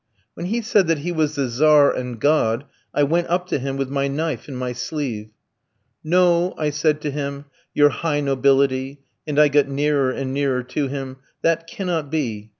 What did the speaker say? "When he said that he was the Tzar and God, I went up to him with my knife in my sleeve. "'No,' I said to him, 'your high nobility,' and I got nearer and nearer to him, 'that cannot be.